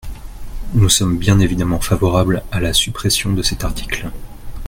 Nous sommes bien évidemment favorables à la suppression de cet article.